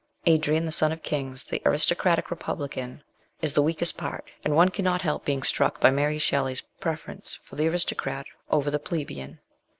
Adrian, the son of kings, the aristocratic republican, is the weakest part, and one cannot help being struck by Mary Shelley's preference for the aristocrat over the plebeian.